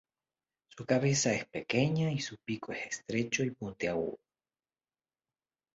Su cabeza es pequeña y su pico es estrecho y puntiagudo.